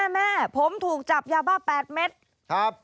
แม่ผมถูกจับยาบ้า๘เม็ด